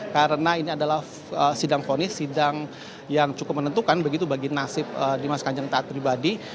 karena ini adalah sidang vonis sidang yang cukup menentukan begitu bagi nasib dimas kanjeng taat pribadi